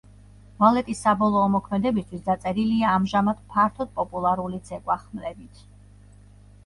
ბალეტის საბოლოო მოქმედებისთვის დაწერილია ამჟამად ფართოდ პოპულარული ცეკვა ხმლებით.